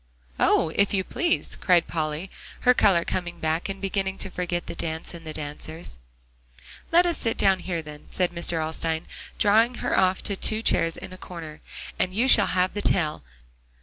"Oh! if you please," cried Polly, her color coming back, and beginning to forget the dance and the dancers. "Let us sit down here, then," said Mr. Alstyne, drawing her off to two chairs in a corner, "and you shall have the tale.